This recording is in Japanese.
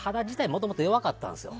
もともと弱かったんですよ。